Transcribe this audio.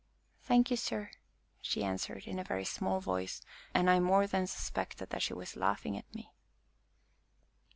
"Thank you, sir," she answered in a very small voice, and I more than suspected that she was laughing at me.